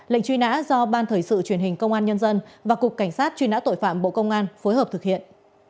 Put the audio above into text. lệnh truy nã do ban thời sự truyền hình công an nhân dân và cục cảnh sát truy nã tội phạm bộ công an phối hợp thực hiện